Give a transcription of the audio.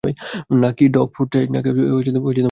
নাকি dog food চাই?